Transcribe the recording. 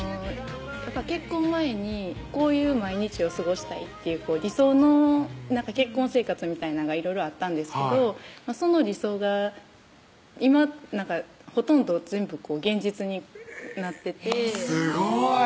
結婚前にこういう毎日を過ごしたいっていう理想の結婚生活みたいなんがいろいろあったんですけどその理想が今ほとんど全部現実になっててすごい！